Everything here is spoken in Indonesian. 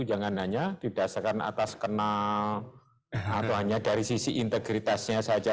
jangan hanya didasarkan atas kenal atau hanya dari sisi integritasnya saja